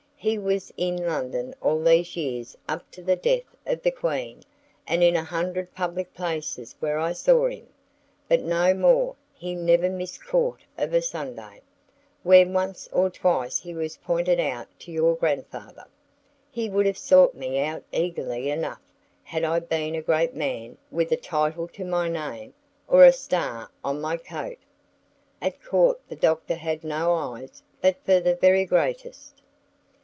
He was in London all these years up to the death of the Queen; and in a hundred public places where I saw him, but no more; he never missed Court of a Sunday, where once or twice he was pointed out to your grandfather. He would have sought me out eagerly enough had I been a great man with a title to my name, or a star on my coat. At Court the Doctor had no eyes but for the very greatest.